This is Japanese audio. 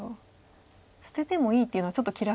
捨ててもいいっていうのはちょっと気楽。